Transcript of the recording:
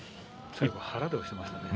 腹で押していましたね。